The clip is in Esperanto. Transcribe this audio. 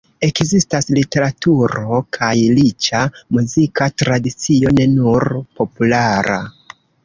Ekzistas literaturo kaj riĉa muzika tradicio, ne nur populara.